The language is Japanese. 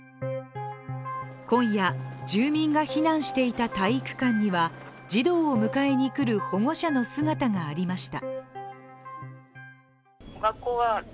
今夜、住民が避難していた体育館には児童を迎えに来る保護者の姿がありました。